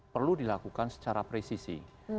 perlu dilakukan secara presisi